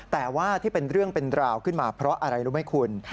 แต่ว่าที่เป็นเรื่องเป็นราวขึ้นมาเพราะอะไรรู้ไหมคุณ